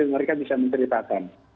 mereka bisa menceritakan